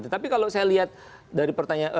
tapi kalau saya lihat dari